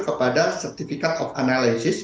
kepada sertifikat of analysis